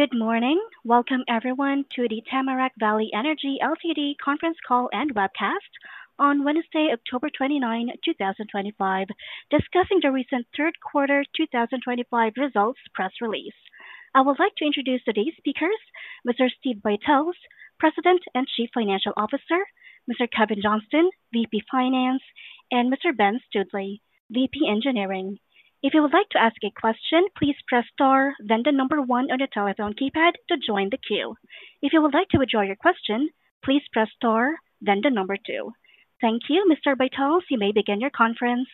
Good morning. Welcome everyone to the Tamarack Valley Energy Ltd. conference call and webcast on Wednesday, October 29, 2025, discussing the recent third quarter 2025 results press release. I would like to introduce today's speakers: Mr. Steve Buytels, President and Chief Financial Officer; Mr. Kevin Johnston, Vice President Finance; and Mr. Ben Studley, Vice President Engineering. If you would like to ask a question, please press star, then the number one on the telephone keypad to join the queue. If you would like to withdraw your question, please press star, then the number two. Thank you, Mr. Buytels. You may begin your conference.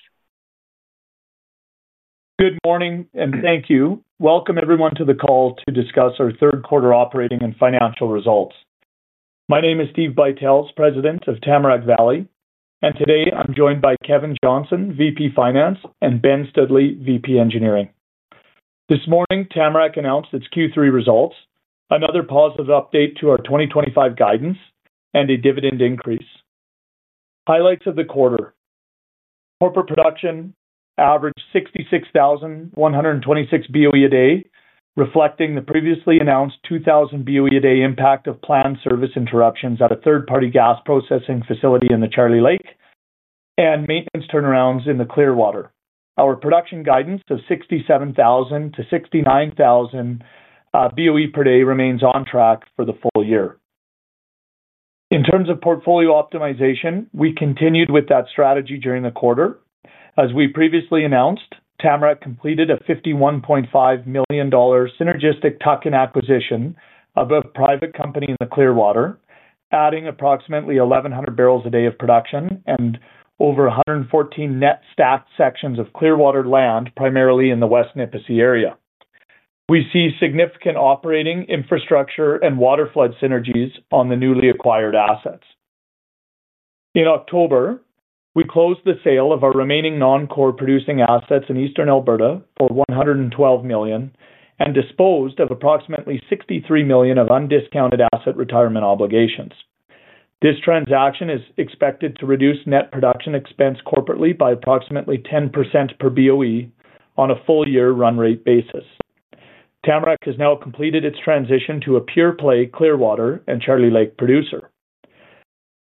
Good morning and thank you. Welcome everyone to the call to discuss our third quarter operating and financial results. My name is Steve Buytels, President of Tamarack Valley, and today I'm joined by Kevin Johnston, VP Finance, and Ben Studley, VP Engineering. This morning, Tamarack announced its Q3 results, another positive update to our 2025 guidance, and a dividend increase. Highlights of the quarter: corporate production averaged 66,126 BOE/D, reflecting the previously announced 2,000 BOE/D impact of planned service interruptions at a third-party gas processing facility in the Charlie Lake and maintenance turnarounds in the Clearwater. Our production guidance of 67,000 to 69,000 BOE/D remains on track for the full year. In terms of portfolio optimization, we continued with that strategy during the quarter. As we previously announced, Tamarack completed a $51.5 million synergistic tuck-in acquisition of a private company in the Clearwater, adding approximately 1,100 BOE/D of production and over 114 net stacked sections of Clearwater land, primarily in the West Nipisi area. We see significant operating infrastructure and waterflood synergies on the newly acquired assets. In October, we closed the sale of our remaining non-core producing assets in Eastern Alberta for $112 million and disposed of approximately $63 million of undiscounted asset retirement obligations. This transaction is expected to reduce net production expense corporately by approximately 10% per BOE on a full-year run rate basis. Tamarack has now completed its transition to a pure play Clearwater and Charlie Lake producer.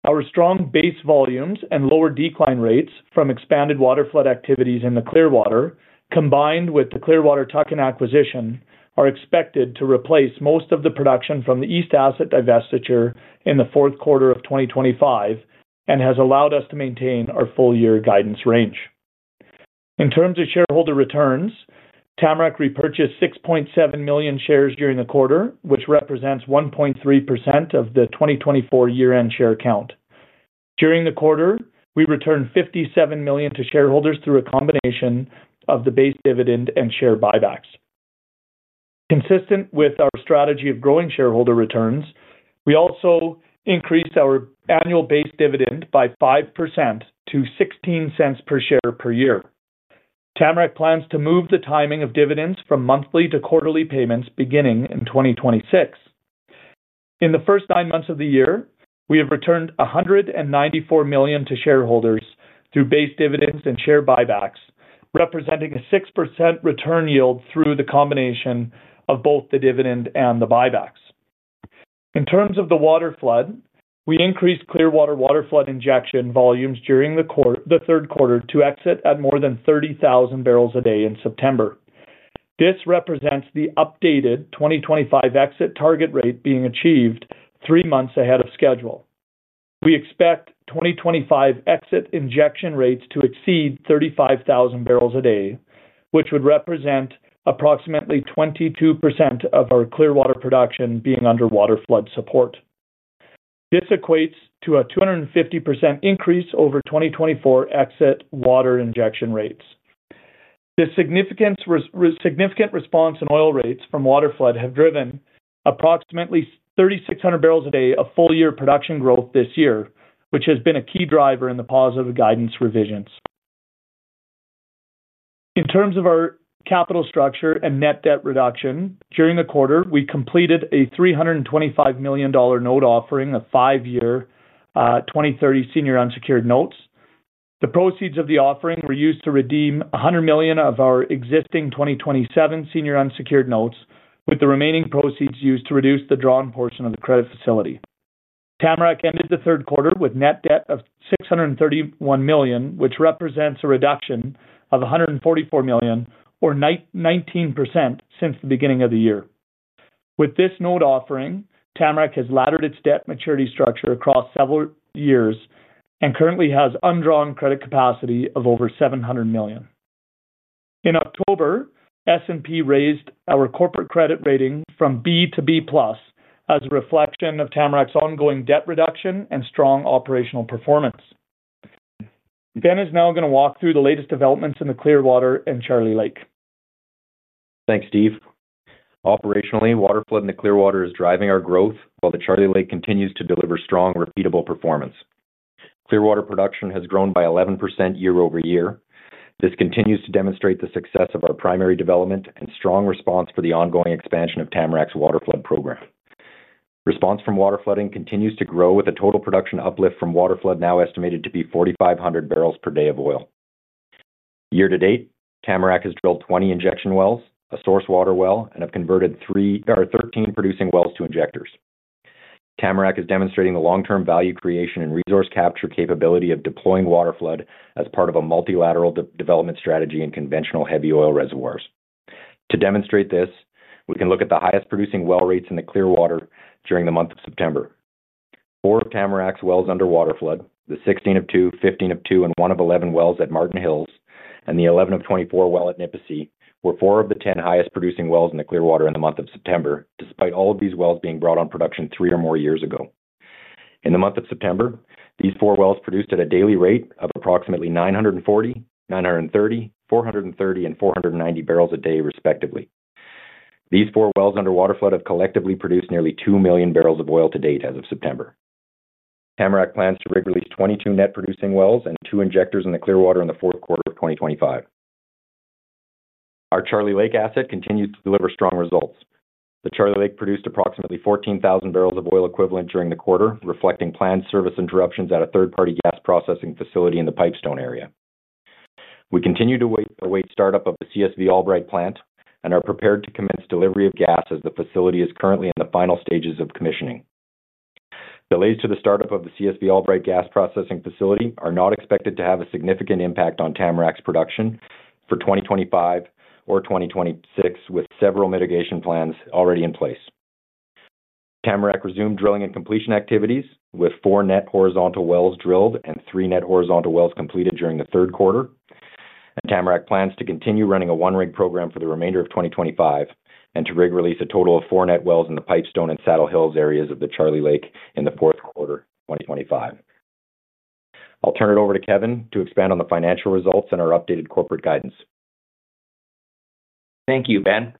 Our strong base volumes and lower decline rates from expanded waterflood activities in the Clearwater, combined with the Clearwater tuck-in acquisition, are expected to replace most of the production from the East Asset divestiture in the fourth quarter of 2025 and has allowed us to maintain our full-year guidance range. In terms of shareholder returns, Tamarack repurchased 6.7 million shares during the quarter, which represents 1.3% of the 2024 year-end share count. During the quarter, we returned $57 million to shareholders through a combination of the base dividend and share buybacks. Consistent with our strategy of growing shareholder returns, we also increased our annual base dividend by 5% to $0.16 per share per year. Tamarack plans to move the timing of dividends from monthly to quarterly payments beginning in 2026. In the first nine months of the year, we have returned $194 million to shareholders through base dividends and share buybacks, representing a 6% return yield through the combination of both the dividend and the buybacks. In terms of the waterflood, we increased Clearwater waterflood injection volumes during the third quarter to exit at more than 30,000 barrels a day in September. This represents the updated 2025 exit target rate being achieved three months ahead of schedule. We expect 2025 exit injection rates to exceed 35,000 barrels a day, which would represent approximately 22% of our Clearwater production being under waterflood support. This equates to a 250% increase over 2024 exit water injection rates. This significant response in oil rates from waterflood has driven approximately 3,600 barrels a day of full-year production growth this year, which has been a key driver in the positive guidance revisions. In terms of our capital structure and net debt reduction, during the quarter, we completed a $325 million note offering of five-year 2030 senior unsecured notes. The proceeds of the offering were used to redeem $100 million of our existing 2027 senior unsecured notes, with the remaining proceeds used to reduce the drawn portion of the credit facility. Tamarack Valley Energy Ltd. ended the third quarter with net debt of $631 million, which represents a reduction of $144 million, or 19% since the beginning of the year. With this note offering, Tamarack Valley Energy Ltd. has laddered its debt maturity structure across several years and currently has undrawn credit capacity of over $700 million. In October, S&P raised our corporate credit rating from B to B+ as a reflection of Tamarack Valley Energy Ltd.'s ongoing debt reduction and strong operational performance. Ben is now going to walk through the latest developments in the Clearwater and Charlie Lake. Thanks, Steve. Operationally, waterflood in the Clearwater is driving our growth, while the Charlie Lake continues to deliver strong, repeatable performance. Clearwater production has grown by 11% year-over-year. This continues to demonstrate the success of our primary development and strong response for the ongoing expansion of Tamarack's waterflood program. Response from waterflooding continues to grow, with a total production uplift from waterflood now estimated to be 4,500 barrels per day of oil. Year to date, Tamarack has drilled 20 injection wells, a source water well, and have converted 13 producing wells to injectors. Tamarack is demonstrating the long-term value creation and resource capture capability of deploying waterflood as part of a multilateral development strategy in conventional heavy oil reservoirs. To demonstrate this, we can look at the highest producing well rates in the Clearwater during the month of September. Four of Tamarack's wells under waterflood, the 16 of 2, 15 of 2, and 1 of 11 wells at Martin Hills, and the 11 of 24 well at Nipisi, were four of the 10 highest producing wells in the Clearwater in the month of September, despite all of these wells being brought on production three or more years ago. In the month of September, these four wells produced at a daily rate of approximately 940, 930, 430, and 490 barrels a day, respectively. These four wells under waterflood have collectively produced nearly 2 million barrels of oil to date as of September. Tamarack plans to rig-release 22 net producing wells and two injectors in the Clearwater in the fourth quarter of 2025. Our Charlie Lake asset continues to deliver strong results. The Charlie Lake produced approximately 14,000 BOE/D during the quarter, reflecting planned service interruptions at a third-party gas processing facility in the Pipestone area. We continue to await startup of the CSV Albright plant and are prepared to commence delivery of gas as the facility is currently in the final stages of commissioning. Delays to the startup of the CSV Albright gas processing facility are not expected to have a significant impact on Tamarack's production for 2025 or 2026, with several mitigation plans already in place. Tamarack resumed drilling and completion activities, with four net horizontal wells drilled and three net horizontal wells completed during the third quarter. Tamarack plans to continue running a one-rig program for the remainder of 2025 and to rig-release a total of four net wells in the Pipestone and Saddle Hills areas of the Charlie Lake in the fourth quarter of 2025. I'll turn it over to Kevin to expand on the financial results and our updated corporate guidance. Thank you, Ben.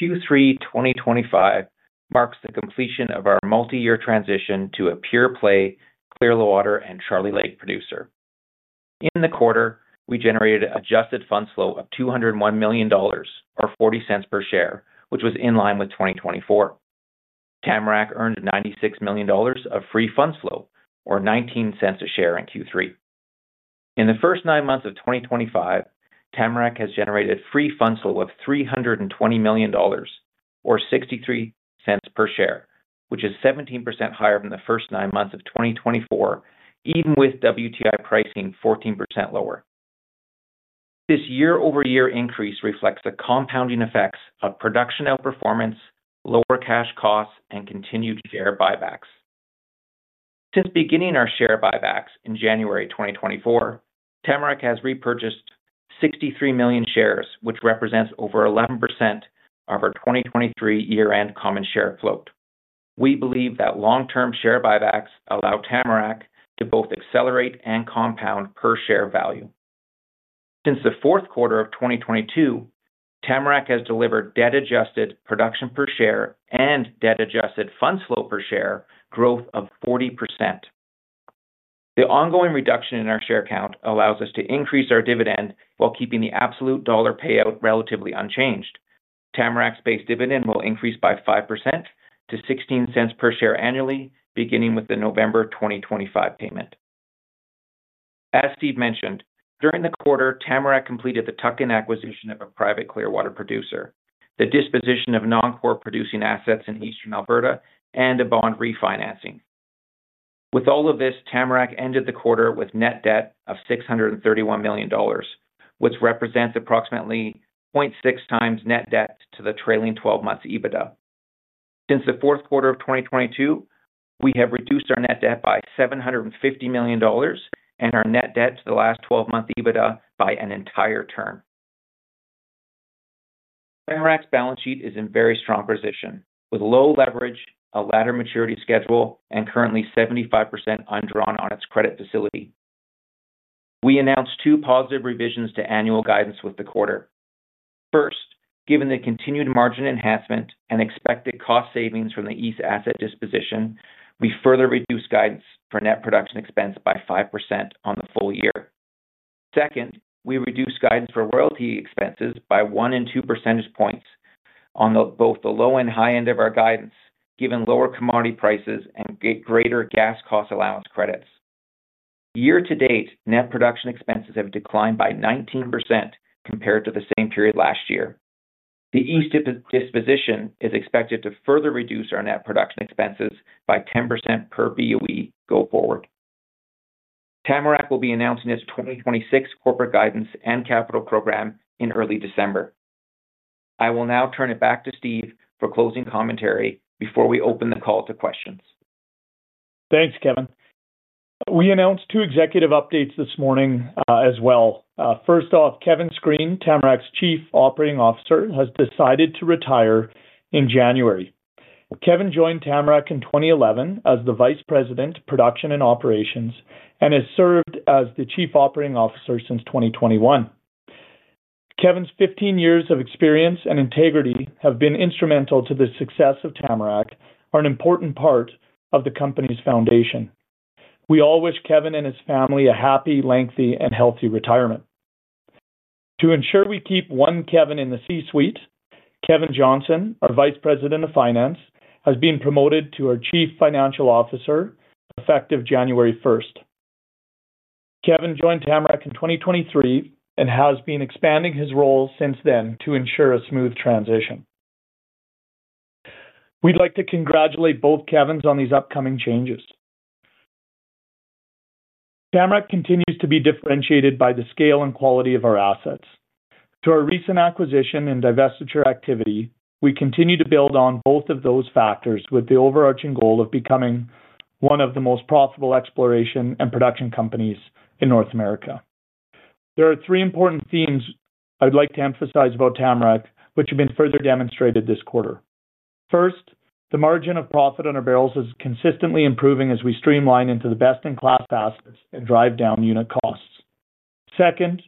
Q3 2025 marks the completion of our multi-year transition to a pure play Clearwater and Charlie Lake producer. In the quarter, we generated an adjusted funds flow of $201 million, or $0.40 per share, which was in line with 2024. Tamarack earned $96 million of free funds flow, or $0.19 a share in Q3. In the first nine months of 2025, Tamarack has generated a free funds flow of $320 million, or $0.63 per share, which is 17% higher than the first nine months of 2024, even with WTI pricing 14% lower. This year-over-year increase reflects the compounding effects of production outperformance, lower cash costs, and continued share buybacks. Since beginning our share buybacks in January 2024, Tamarack has repurchased 63 million shares, which represents over 11% of our 2023 year-end common share float. We believe that long-term share buybacks allow Tamarack to both accelerate and compound per share value. Since the fourth quarter of 2022, Tamarack has delivered debt-adjusted production per share and debt-adjusted funds flow per share growth of 40%. The ongoing reduction in our share count allows us to increase our dividend while keeping the absolute dollar payout relatively unchanged. Tamarack's base dividend will increase by 5% to $0.16 per share annually, beginning with the November 2025 payment. As Steve mentioned, during the quarter, Tamarack completed the tuck-in acquisition of a private Clearwater producer, the disposition of non-core producing assets in Eastern Alberta, and a bond refinancing. With all of this, Tamarack ended the quarter with net debt of $631 million, which represents approximately 0.6 times net debt to the trailing 12 months EBITDA since the fourth quarter of 2022. We have reduced our net debt by $750 million and our net debt to the last 12-month EBITDA by an entire turn. Tamarack's balance sheet is in a very strong position, with low leverage, a ladder maturity schedule, and currently 75% undrawn on its credit facility. We announced two positive revisions to annual guidance with the quarter. First, given the continued margin enhancement and expected cost savings from the East Asset disposition, we further reduced guidance for net production expense by 5% on the full year. Second, we reduced guidance for royalty expenses by one and two percentage points on both the low and high end of our guidance, given lower commodity prices and greater gas cost allowance credits. Year to date, net production expenses have declined by 19% compared to the same period last year. The East disposition is expected to further reduce our net production expenses by 10% per BOE going forward. Tamarack will be announcing its 2026 corporate guidance and capital program in early December. I will now turn it back to Steve for closing commentary before we open the call to questions. Thanks, Kevin. We announced two executive updates this morning as well. First off, Kevin Screen, Tamarack Valley Energy Ltd.'s Chief Operating Officer, has decided to retire in January. Kevin joined Tamarack Valley Energy Ltd. in 2011 as the Vice President, Production and Operations, and has served as the Chief Operating Officer since 2021. Kevin's 15 years of experience and integrity have been instrumental to the success of Tamarack Valley Energy Ltd. and are an important part of the company's foundation. We all wish Kevin and his family a happy, lengthy, and healthy retirement. To ensure we keep one Kevin in the C-suite, Kevin Johnston, our Vice President Finance, has been promoted to our Chief Financial Officer effective January 1, 2026. Kevin joined Tamarack Valley Energy Ltd. in 2023 and has been expanding his role since then to ensure a smooth transition. We'd like to congratulate both Kevins on these upcoming changes. Tamarack Valley Energy Ltd. continues to be differentiated by the scale and quality of our assets. Through our recent acquisition and divestiture activity, we continue to build on both of those factors with the overarching goal of becoming one of the most profitable exploration and production companies in North America. There are three important themes I'd like to emphasize about Tamarack Valley Energy Ltd., which have been further demonstrated this quarter. First, the margin of profit on our barrels is consistently improving as we streamline into the best-in-class assets and drive down unit costs. Second,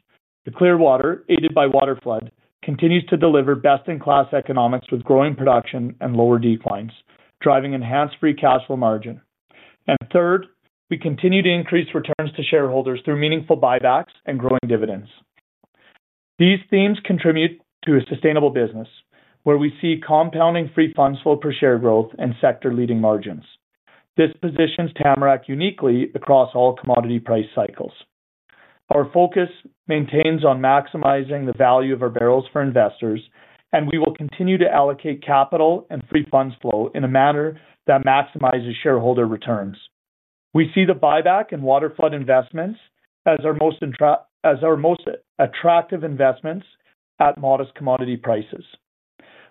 the Clearwater, aided by waterflood, continues to deliver best-in-class economics with growing production and lower declines, driving enhanced free funds flow margin. Third, we continue to increase returns to shareholders through meaningful buybacks and growing dividends. These themes contribute to a sustainable business where we see compounding free funds flow per share growth and sector-leading margins. This positions Tamarack Valley Energy Ltd. uniquely across all commodity price cycles. Our focus maintains on maximizing the value of our barrels for investors, and we will continue to allocate capital and free funds flow in a manner that maximizes shareholder returns. We see the buyback and waterflood investments as our most attractive investments at modest commodity prices.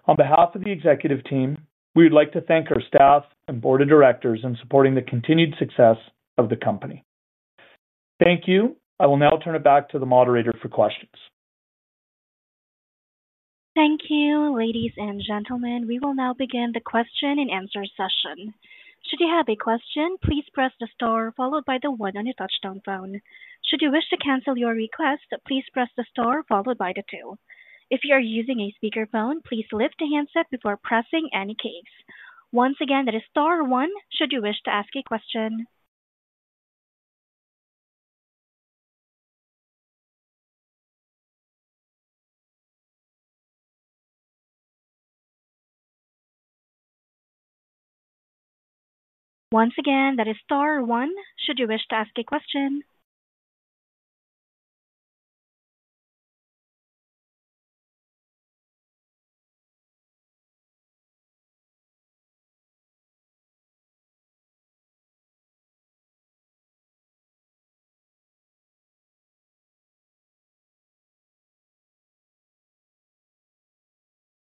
On behalf of the executive team, we would like to thank our staff and board of directors in supporting the continued success of the company. Thank you. I will now turn it back to the moderator for questions. Thank you, ladies and gentlemen. We will now begin the question and answer session. Should you have a question, please press the star followed by the one on your touch-tone phone. Should you wish to cancel your request, please press the star followed by the two. If you are using a speaker phone, please lift the handset before pressing any keys. Once again, that is star one should you wish to ask a question.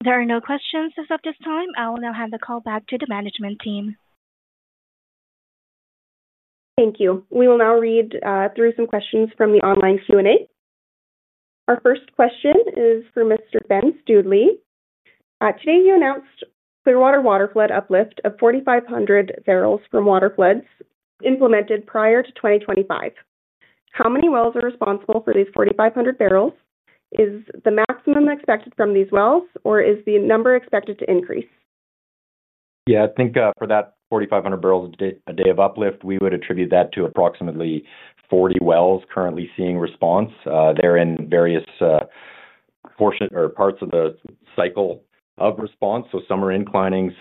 There are no questions at this time. I will now hand the call back to the management team. Thank you. We will now read through some questions from the online Q&A. Our first question is for Mr. Ben Studley. Today, you announced Clearwater waterflood uplift of 4,500 barrels from waterfloods implemented prior to 2025. How many wells are responsible for these 4,500 barrels? Is this the maximum expected from these wells, or is the number expected to increase? Yeah, I think for that 4,500 BOE/D of uplift, we would attribute that to approximately 40 wells currently seeing response. They're in various portions or parts of the cycle of response. Some are inclining,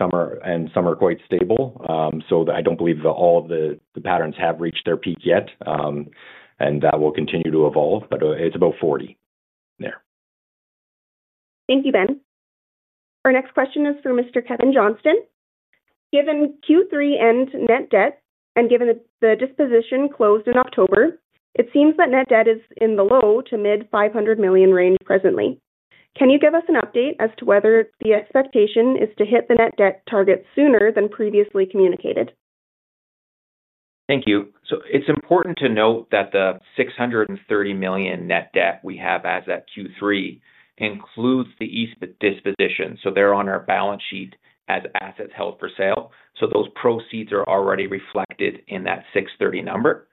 and some are quite stable. I don't believe that all of the patterns have reached their peak yet, and that will continue to evolve, but it's about 40 there. Thank you, Ben. Our next question is for Mr. Kevin Johnston. Given Q3 end net debt and given the disposition closed in October, it seems that net debt is in the low to mid-$500 million range presently. Can you give us an update as to whether the expectation is to hit the net debt target sooner than previously communicated? Thank you. It's important to note that the $630 million net debt we have as at Q3 includes the Eastern Alberta disposition. They're on our balance sheet as assets held for sale, so those proceeds are already reflected in that $630 million number.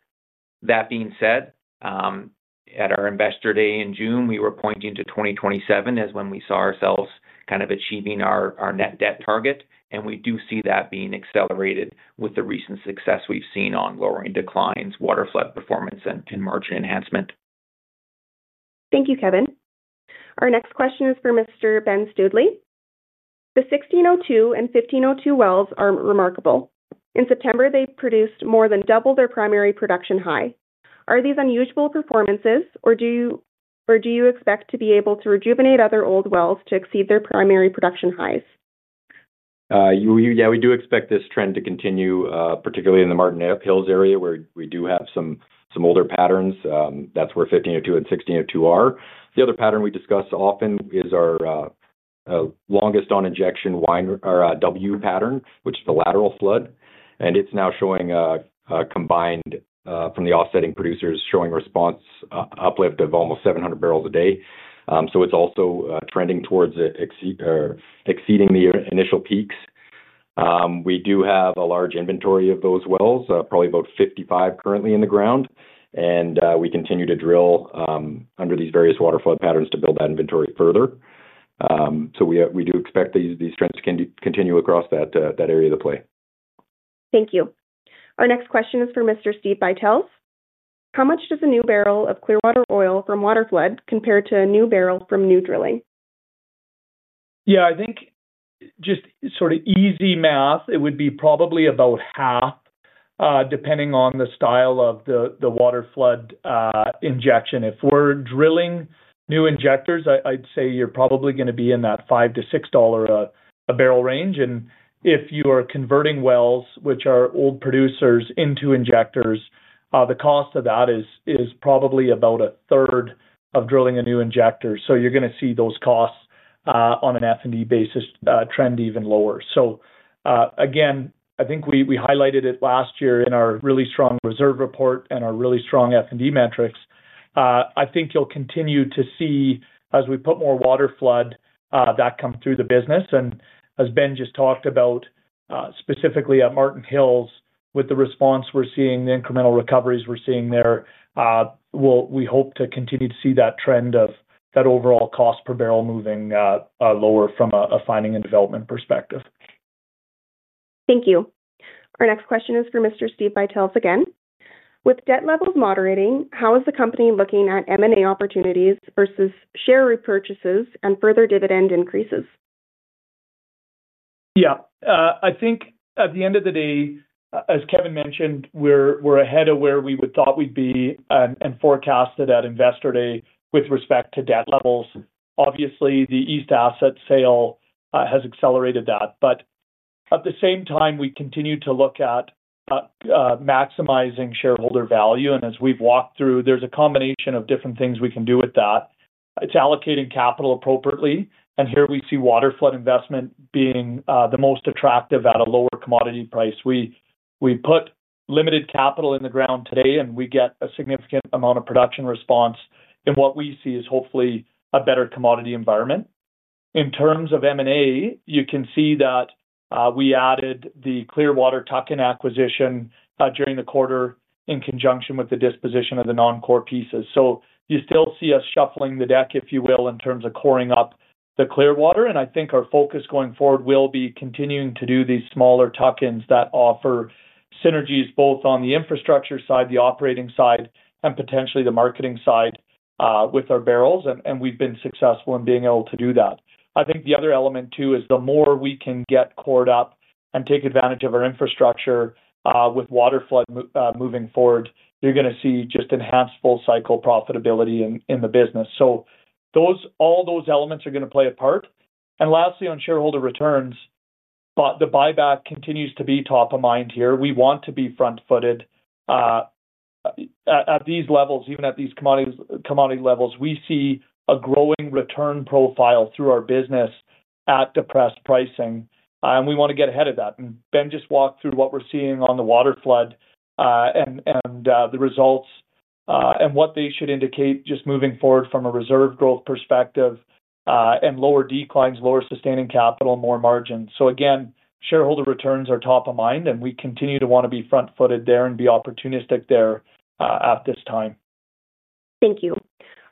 That being said, at our investor day in June, we were pointing to 2027 as when we saw ourselves kind of achieving our net debt target, and we do see that being accelerated with the recent success we've seen on lowering declines, waterflood performance, and margin enhancement. Thank you, Kevin. Our next question is for Mr. Ben Studley. The 1602 and 1502 wells are remarkable. In September, they produced more than double their primary production high. Are these unusual performances, or do you expect to be able to rejuvenate other old wells to exceed their primary production highs? Yeah, we do expect this trend to continue, particularly in the Martin Hills area where we do have some older patterns. That's where 1502 and 1602 are. The other pattern we discuss often is our longest on injection W pattern, which is the lateral flood, and it's now showing a combined from the offsetting producers showing response uplift of almost 700 barrels a day. It's also trending towards exceeding the initial peaks. We do have a large inventory of those wells, probably about 55 currently in the ground, and we continue to drill under these various waterflood patterns to build that inventory further. We do expect these trends to continue across that area of the play. Thank you. Our next question is for Mr. Steve Buytels. How much does a new barrel of Clearwater oil from waterflood compare to a new barrel from new drilling? Yeah, I think just sort of easy math, it would be probably about half, depending on the style of the waterflood injection. If we're drilling new injectors, I'd say you're probably going to be in that $5-$6 a barrel range. If you are converting wells, which are old producers, into injectors, the cost of that is probably about a third of drilling a new injector. You're going to see those costs on an F&D basis trend even lower. I think we highlighted it last year in our really strong reserve report and our really strong F&D metrics. I think you'll continue to see, as we put more waterflood, that come through the business. As Ben just talked about, specifically at Martin Hills, with the response we're seeing, the incremental recoveries we're seeing there, we hope to continue to see that trend of that overall cost per barrel moving lower from a finding and development perspective. Thank you. Our next question is for Mr. Steve Buytels again. With debt levels moderating, how is the company looking at M&A opportunities versus share repurchases and further dividend increases? Yeah, I think at the end of the day, as Kevin mentioned, we're ahead of where we thought we'd be and forecasted at investor day with respect to debt levels. Obviously, the Eastern Alberta asset sale has accelerated that. At the same time, we continue to look at maximizing shareholder value. As we've walked through, there's a combination of different things we can do with that. It's allocating capital appropriately. Here we see waterflood investment being the most attractive at a lower commodity price. We put limited capital in the ground today, and we get a significant amount of production response in what we see is hopefully a better commodity environment. In terms of M&A, you can see that we added the Clearwater tuck-in acquisition during the quarter in conjunction with the disposition of the non-core pieces. You still see us shuffling the deck, if you will, in terms of coring up the Clearwater. I think our focus going forward will be continuing to do these smaller tuck-ins that offer synergies both on the infrastructure side, the operating side, and potentially the marketing side with our barrels. We've been successful in being able to do that. I think the other element, too, is the more we can get cored up and take advantage of our infrastructure with waterflood moving forward, you're going to see just enhanced full cycle profitability in the business. All those elements are going to play a part. Lastly, on shareholder returns, the buyback continues to be top of mind here. We want to be front-footed at these levels, even at these commodity levels. We see a growing return profile through our business at depressed pricing, and we want to get ahead of that. Ben just walked through what we're seeing on the waterflood and the results and what they should indicate just moving forward from a reserve growth perspective and lower declines, lower sustaining capital, and more margins. Shareholder returns are top of mind, and we continue to want to be front-footed there and be opportunistic there at this time. Thank you.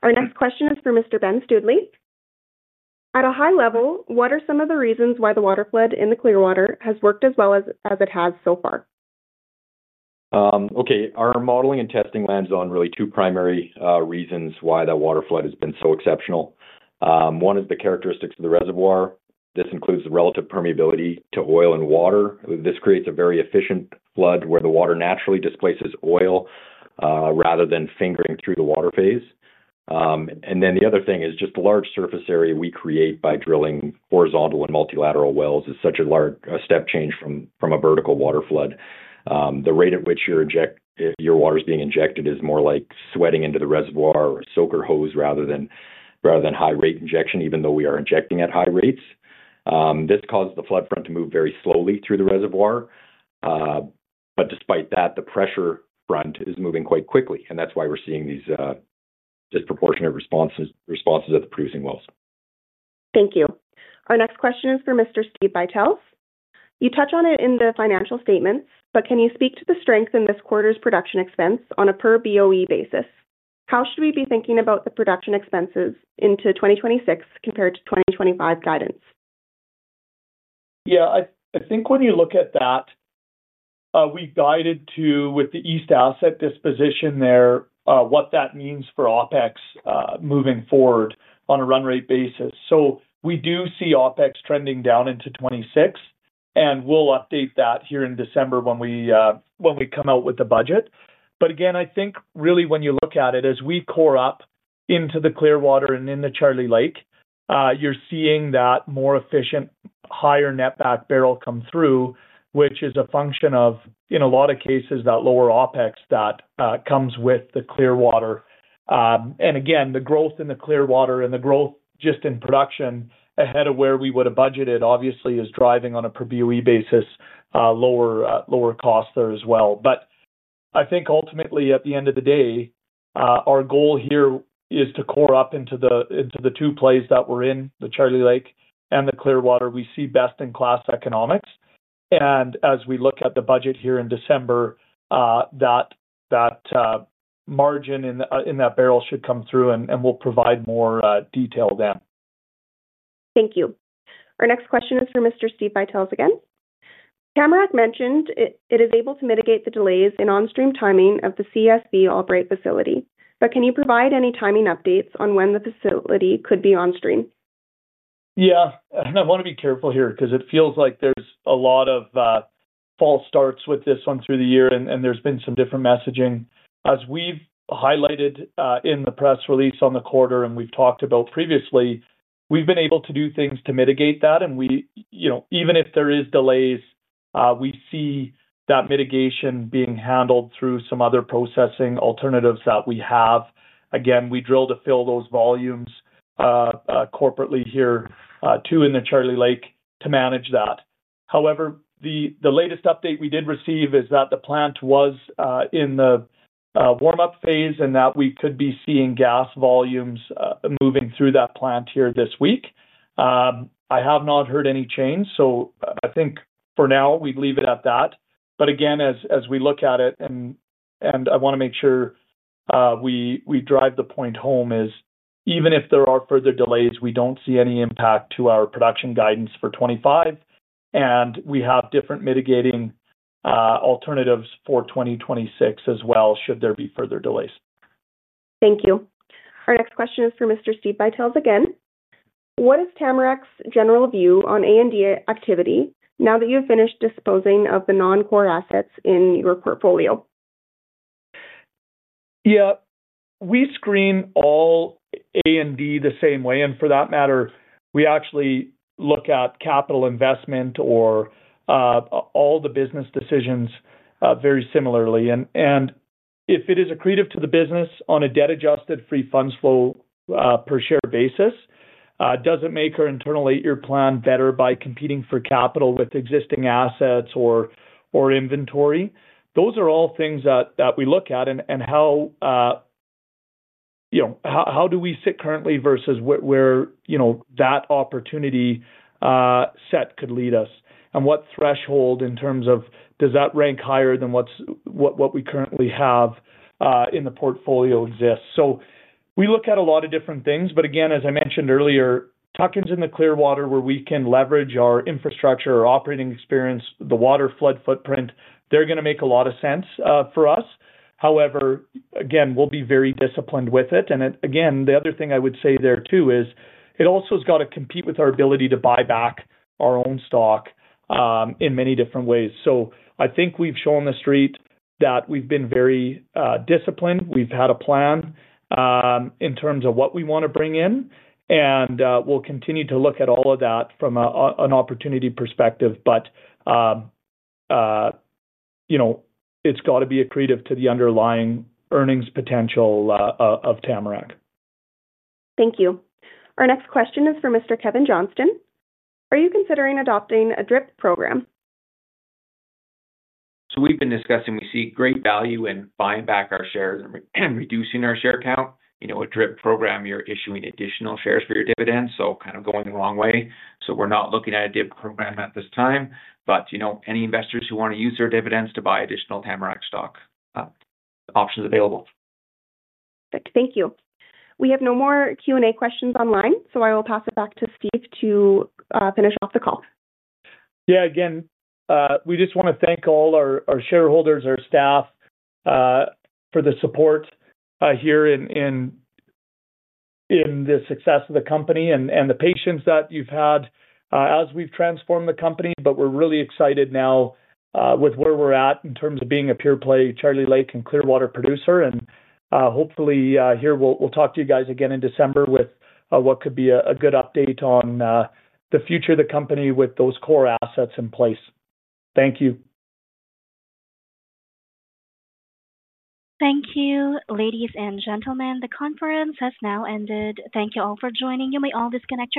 Our next question is for Mr. Ben Studley. At a high level, what are some of the reasons why the waterflood in the Clearwater has worked as well as it has so far? Okay. Our modeling and testing lands on really two primary reasons why that waterflood has been so exceptional. One is the characteristics of the reservoir. This includes the relative permeability to oil and water. This creates a very efficient flood where the water naturally displaces oil rather than fingering through the water phase. The other thing is just the large surface area we create by drilling horizontal and multilateral wells, which is such a large step change from a vertical waterflood. The rate at which your water is being injected is more like sweating into the reservoir or soaker hose rather than high-rate injection, even though we are injecting at high rates. This causes the flood front to move very slowly through the reservoir. Despite that, the pressure front is moving quite quickly, and that's why we're seeing these disproportionate responses at the producing wells. Thank you. Our next question is for Mr. Steve Buytels. You touch on it in the financial statements, but can you speak to the strength in this quarter's production expense on a per BOE basis? How should we be thinking about the production expenses into 2026 compared to 2025 guidance? Yeah, I think when you look at that, we've guided to, with the Eastern Alberta asset disposition there, what that means for OpEx moving forward on a run rate basis. We do see OpEx trending down into 2026, and we'll update that here in December when we come out with the budget. I think really when you look at it, as we core up into the Clearwater and in the Charlie Lake, you're seeing that more efficient, higher netback barrel come through, which is a function of, in a lot of cases, that lower OpEx that comes with the Clearwater. The growth in the Clearwater and the growth just in production ahead of where we would have budgeted, obviously, is driving on a per BOE basis lower costs there as well. I think ultimately, at the end of the day, our goal here is to core up into the two plays that we're in, the Charlie Lake and the Clearwater. We see best-in-class economics. As we look at the budget here in December, that margin in that barrel should come through, and we'll provide more detail then. Thank you. Our next question is for Mr. Steve Buytels again. Tamarack mentioned it is able to mitigate the delays in on-stream timing of the CSV Albright facility, but can you provide any timing updates on when the facility could be on-stream? Yeah, I want to be careful here because it feels like there's a lot of false starts with this one through the year, and there's been some different messaging. As we've highlighted in the press release on the quarter and we've talked about previously, we've been able to do things to mitigate that. Even if there are delays, we see that mitigation being handled through some other processing alternatives that we have. We drill to fill those volumes corporately here, too, in the Charlie Lake to manage that. However, the latest update we did receive is that the plant was in the warm-up phase and that we could be seeing gas volumes moving through that plant here this week. I have not heard any change, so I think for now we leave it at that. Again, as we look at it, I want to make sure we drive the point home: even if there are further delays, we don't see any impact to our production guidance for 2025, and we have different mitigating alternatives for 2026 as well should there be further delays. Thank you. Our next question is for Mr. Steve Buytels again. What is Tamarack's general view on A&D activity now that you have finished disposing of the non-core assets in your portfolio? Yeah, we screen all A&D the same way, and for that matter, we actually look at capital investment or all the business decisions very similarly. If it is accretive to the business on a debt-adjusted free funds flow per share basis, does it make our internal eight-year plan better by competing for capital with existing assets or inventory? Those are all things that we look at, and how do we sit currently versus where that opportunity set could lead us and what threshold in terms of does that rank higher than what we currently have in the portfolio exists. We look at a lot of different things, but again, as I mentioned earlier, tuck-ins in the Clearwater where we can leverage our infrastructure, our operating experience, the waterflood footprint, they're going to make a lot of sense for us. However, again, we'll be very disciplined with it. The other thing I would say there too is it also has got to compete with our ability to buy back our own stock in many different ways. I think we've shown the street that we've been very disciplined. We've had a plan in terms of what we want to bring in, and we'll continue to look at all of that from an opportunity perspective. You know, it's got to be accretive to the underlying earnings potential of Tamarack. Thank you. Our next question is for Mr. Kevin Johnston. Are you considering adopting a DRIP program? We have been discussing we see great value in buying back our shares and reducing our share count. You know, a DRIP program, you're issuing additional shares for your dividends, so kind of going the wrong way. We are not looking at a DRIP program at this time, but you know, any investors who want to use their dividends to buy additional Tamarack stock, options available. Thank you. We have no more Q&A questions online, so I will pass it back to Steve to finish off the call. Yeah, again, we just want to thank all our shareholders and our staff for the support here in the success of the company and the patience that you've had as we've transformed the company. We're really excited now with where we're at in terms of being a pure play Charlie Lake and Clearwater producer. Hopefully here we'll talk to you guys again in December with what could be a good update on the future of the company with those core assets in place. Thank you. Thank you, ladies and gentlemen. The conference has now ended. Thank you all for joining. You may all disconnect.